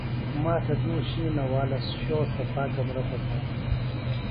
ما تھےۡ دُو شِینہ والہ شو صفا کمرہ پکار۔